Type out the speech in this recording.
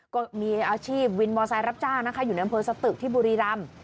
ก็มีอาชีพวินมอเซล์รับจ้างนะคะอยู่ในอำเภอสตึกที่บุรีรำ